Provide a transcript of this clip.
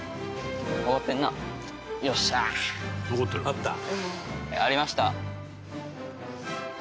「あった？」